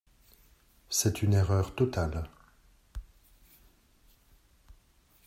C’est une erreur totale.